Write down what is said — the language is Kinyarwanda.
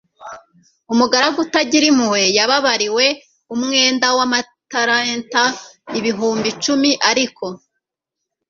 umugaragu utagira impuhwe, yababariwe umwenda w'amatalenta ibihumbi icumi ; ariko